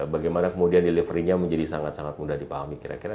bagaimana kemudian delivery nya menjadi sangat sangat mudah dipahami kira kira